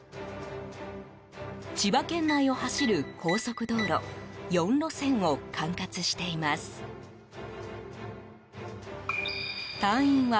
千葉県内を走る高速道路４路線を管轄しています。